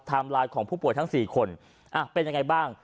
ไลน์ของผู้ป่วยทั้ง๔คนเป็นยังไงบ้าง